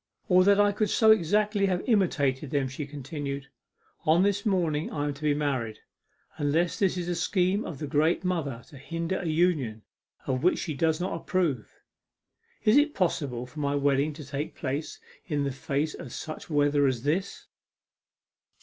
'Or that I could so exactly have imitated them,' she continued. 'On this morning I am to be married unless this is a scheme of the great Mother to hinder a union of which she does not approve. Is it possible for my wedding to take place in the face of such weather as this?